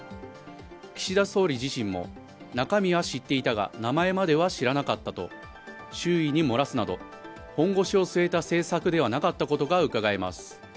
岸田総理自身も、中身は知っていたが名前までは知らなかったと周囲に漏らすなど本腰を据えた政策ではなかったことがうかがえます。